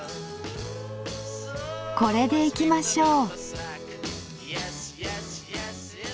これでいきましょう。